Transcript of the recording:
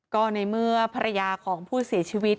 ก็ในเมื่อภรรยาของผู้เสียชีวิต